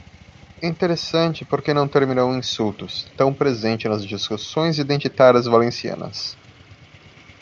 Interessante porque não terminou em insultos, tão presente nas discussões identitárias valencianas.